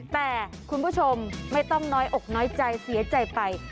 แต่คุณผู้ชมไม่ต้องน้อยอกน้อยใจเสียใจไป